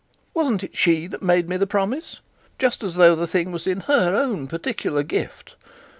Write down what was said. Wasn't it she that made me the promise just as though the thing was in her own particular gift?